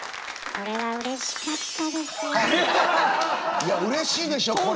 いやうれしいでしょこれ。